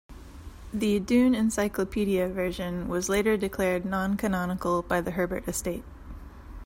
The "Dune Encyclopedia" version was later declared non-canonical by the Herbert estate.